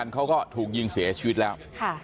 เพราะฉะนั้นเขาก็ถูกยิงเสียชีวิตแล้ว